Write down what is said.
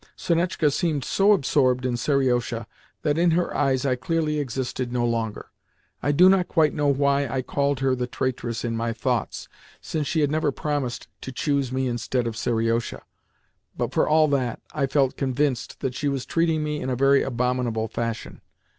Sonetchka seemed so absorbed in Seriosha that in her eyes I clearly existed no longer. I do not quite know why I called her "the traitress" in my thoughts, since she had never promised to choose me instead of Seriosha, but, for all that, I felt convinced that she was treating me in a very abominable fashion.